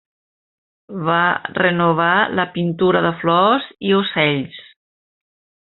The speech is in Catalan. Va renovar la pintura de flors i ocells.